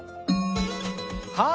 はい！